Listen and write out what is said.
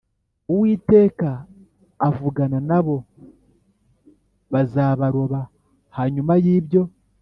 Uwiteka avuga na bo bazabaroba Hanyuma y ibyo